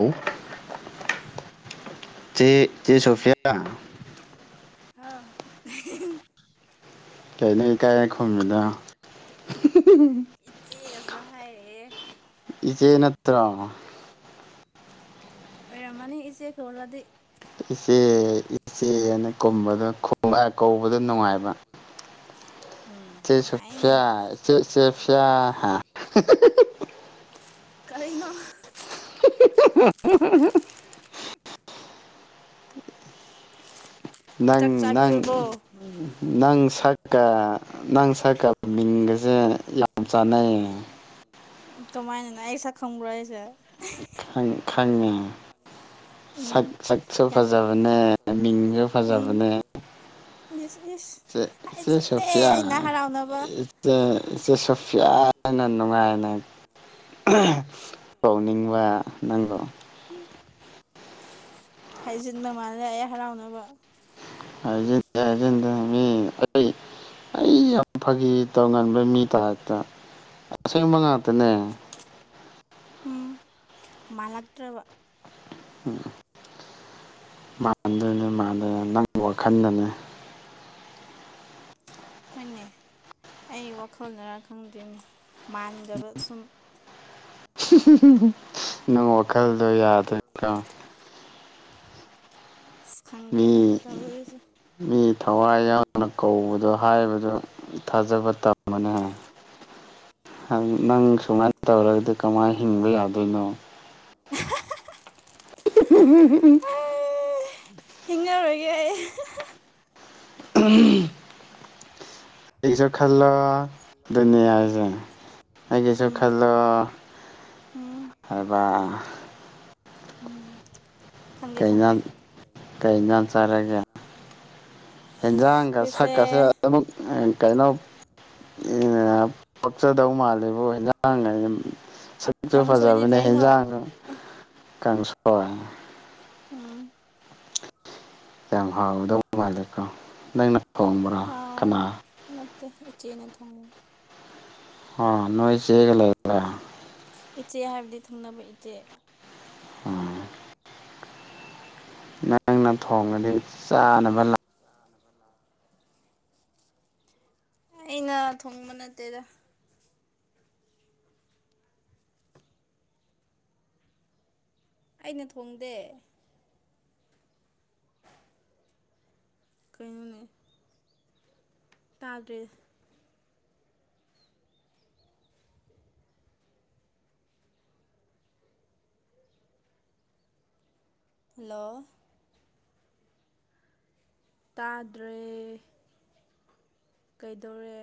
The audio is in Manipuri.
ꯑꯣ ꯆꯦ ꯆꯦ ꯁꯣꯐꯤꯌꯥ ꯑ ꯀꯩꯅ ꯀꯥꯏꯔꯦ ꯈꯨꯝꯃꯤꯗ ꯥꯏ ꯏ ꯆꯩꯅꯠꯇ ꯑꯣꯏꯔꯃꯅꯤ ꯏꯆꯦ ꯀꯧꯔꯗꯤ ꯏꯆꯦ ꯏꯆꯦꯅ ꯀꯨꯝꯕꯗꯣ ꯀꯧꯕꯗ ꯅꯨꯡꯉꯥꯏꯕ ꯎꯝ ꯆ ꯆ ꯅꯨꯡꯉꯥꯏꯅꯤ ꯄꯌꯥ ꯆ ꯆ ꯄꯌꯥ ꯀꯔꯤꯅꯣ [unintelligible] [inaudible] ꯅꯪ ꯆꯥꯛ ꯅꯪ ꯆꯥꯕꯤꯔꯕꯣ ꯅꯪ ꯁꯛꯀꯥ ꯅꯪ ꯁꯛꯀꯥ ꯃꯤꯡꯒꯁꯦ ꯌꯥꯝ ꯆꯥꯟꯅꯩꯌꯦ ꯀꯃꯥꯏꯅꯦꯅ‌ꯧ ꯑꯩꯁ ꯈꯪꯒꯔꯑꯁꯦ ꯈꯪ ꯈꯪꯉꯦ ꯎꯝ ꯁꯛ ꯁꯛꯁꯨ ꯌꯥꯝ ꯐꯖꯕꯅꯦ ꯃꯤꯡꯁꯨ ꯎꯝ ꯐꯖꯕꯅꯦ ꯏꯁ ꯏꯁ ꯆꯦ ꯆꯦ ꯍꯥꯏꯖꯤꯜꯂꯦ ꯁꯣꯐꯤꯌꯥ ꯑꯩꯅ ꯍꯔꯥꯎꯅꯕ ꯏꯆꯦ ꯏꯆꯦ ꯁꯣꯐꯤꯌꯥ ꯌꯥꯝꯅ ꯅꯨꯡꯉꯥꯏꯅ ꯀꯧꯅꯤꯡꯕ ꯅꯪꯕꯣ ꯍꯥꯏꯖꯤꯟ ꯃꯃꯥꯟꯅ ꯑꯩ ꯍꯔꯥꯎꯅꯕ ꯍꯧꯖꯦꯛ ꯑꯩ ꯌꯥꯝ ꯐꯈꯤ ꯇꯧ ꯉꯟꯕ ꯃꯤ ꯇ ꯍꯇ ꯑꯁꯦꯡ ꯃꯉꯥ ꯇꯅꯦ ꯎꯝ ꯃꯂꯥꯛꯇ꯭ꯔ ꯎꯝ ꯃꯥꯟꯗꯅꯦ ꯃꯥꯟꯗꯅꯦ ꯅꯪ ꯋꯥꯈꯜꯗꯅꯦ ꯄꯨꯟꯅꯦ ꯑꯩ ꯋꯥꯈꯜꯅꯔ ꯈꯪꯗ꯭ꯔꯤꯅꯤ ꯃꯥꯟꯗꯕ ꯁꯨꯝ ꯅꯪ ꯋꯥꯈꯜꯗꯣ ꯌꯥꯗꯣꯏꯅꯤꯀꯣ ꯑꯁ ꯃꯤ ꯈꯪꯗꯦꯗ ꯇꯧꯔꯤꯁꯦ ꯃꯤ ꯊꯋꯥꯏ ꯌꯥꯎꯅ ꯀꯧꯕꯗꯣ ꯍꯥꯏꯕꯗꯨ ꯊꯥꯖꯕ ꯊꯝꯃꯅꯤ ꯍꯥꯏ ꯅꯪ ꯁꯨꯃꯥꯏꯅ ꯇꯧꯔꯒꯗꯤ ꯀꯃꯥꯏꯅ ꯍꯤꯡꯕ ꯌꯥꯗꯣꯏꯅꯣ [unintelligible] ꯎꯝ ꯌꯥꯏ ꯎꯝ ꯑꯩꯁꯨ ꯈꯜꯂ ꯑꯗꯨꯅꯤ ꯍꯥꯏꯁꯦ ꯑꯩꯒꯤꯁꯨ ꯎꯝ ꯈꯜꯗꯣ ꯎꯝ ꯍꯥꯏꯕ ꯎꯝ ꯈꯪꯒꯦ ꯈꯪꯒꯦ ꯀꯩꯅꯟ ꯁꯔꯒ ꯌꯦꯟꯖꯥꯡꯒ ꯑꯩꯈꯣꯏꯁꯦ ꯁꯛꯀꯁꯦ ꯑꯗꯨꯝꯃꯛ ꯀꯩꯅꯣ ꯄꯛꯆꯗꯧ ꯃꯥꯜꯂꯦꯕꯨ ꯏꯖꯥꯡꯉꯩꯅ ꯁ ꯍꯦ ꯀꯥꯡꯁꯣꯏꯅꯤ ꯐꯖꯥꯕꯅꯦ ꯀꯩꯅꯣ ꯍꯖꯥꯡ ꯀꯪꯁ ꯎꯝ ꯌꯥꯝ ꯍꯥꯎꯋꯗꯧꯕ ꯃꯥꯂꯦꯀꯣ ꯅꯪꯅ ꯊꯣꯡꯕ꯭ꯔꯥ ꯍꯣꯏ ꯀꯅꯥ ꯅꯠꯇ ꯏꯆꯦꯅꯤ ꯊꯣꯡꯅꯦ ꯑ ꯅꯣꯏ ꯆꯦꯒ ꯂꯩꯦ ꯏꯆꯦ ꯍꯥꯏꯕꯗꯤ ꯊꯪꯅꯕ ꯏꯆꯦ ꯎꯝ ꯅꯪꯅ ꯊꯣꯡꯉꯗꯤ ꯆꯥꯅꯕ ꯂꯥꯛ ꯑꯩꯅ ꯊꯣꯡꯕ ꯅꯠꯇꯦꯗ ꯑꯩꯅ ꯊꯣꯡꯗꯦ ꯀꯩꯅꯅꯦ ꯇꯥꯗ꯭ꯔꯦ ꯍꯜꯂꯣ ꯇꯥꯗ꯭ꯔꯦ ꯀꯩꯗꯧꯔꯦ